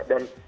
dan itu cerita